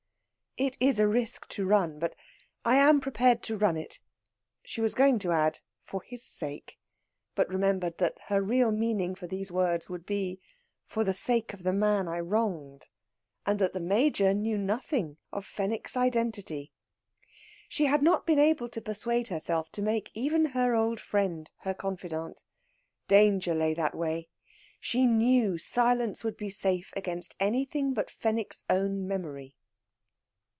"It is a risk to be run. But I am prepared to run it" she was going to add "for his sake," but remembered that her real meaning for these words would be, "for the sake of the man I wronged," and that the Major knew nothing of Fenwick's identity. She had not been able to persuade herself to make even her old friend her confidant. Danger lay that way. She knew silence would be safe against anything but Fenwick's own memory.